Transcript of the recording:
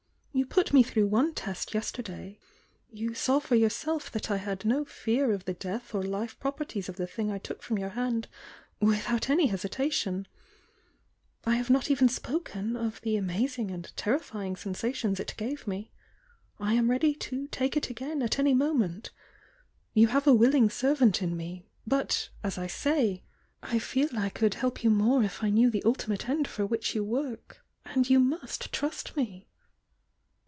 You put me through one test yes terday — you saw for yourself that I had no fear of the death or life properties of the thing I took from your hand without any hesitation — I have not even spoken of the amazing and terrifying sensations it gave me— I am ready to take it agam at any mo ment. You have a willing servant in me — but, as I say, I feel I could help you more if I knew the ultimate end for which you work, — and you must trust me!"